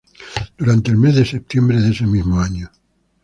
Durante el mes de septiembre de ese mismo año.